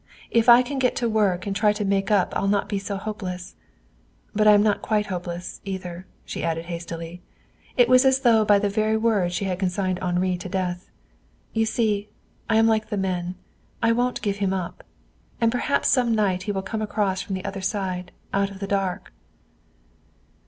If I can get to work and try to make up I'll not be so hopeless. But I am not quite hopeless, either," she added hastily. It was as though by the very word she had consigned Henri to death. "You see, I am like the men; I won't give him up. And perhaps some night he will come across from the other side, out of the dark."